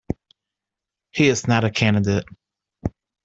He is not a candidate.